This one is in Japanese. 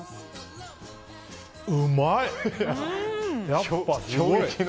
うまい！